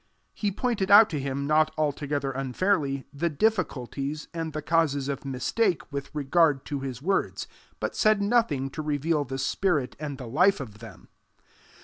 He pointed out to him, not altogether unfairly, the difficulties, and the causes of mistake, with regard to his words; but said nothing to reveal the spirit and the life of them.